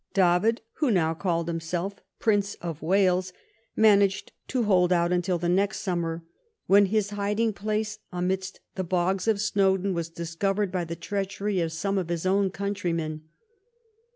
David, who now called himself Prince of Wales, managed to hold out until the next summer, when his hiding place amidst the bogs of Snowdon was discovered by the treachery of some of his own countrymen.